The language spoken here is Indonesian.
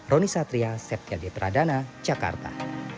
roni satria setia di pradana jakarta